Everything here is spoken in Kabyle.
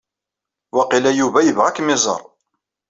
Waqila Yuba ibɣa ad akem-iẓer.